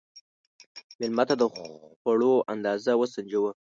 مېلمه ته د خوړو اندازه وسنجوه.